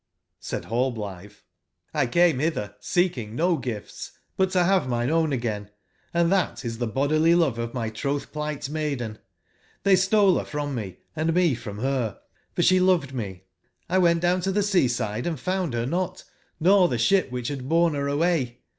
'' ^^gjlHtD Rallblitbe : ''1 came bitber seeking no ^^^ 0if ts, but to bave mine own again ; and tbat ^^^ IS tbe bodily love of my trotb/pligbt maiden. tibey stole ber from me, & me from ber ; for sbe loved me. X went down to tbc sea/side and found ber not, nor tbe sbip wbicb bad borne ber away.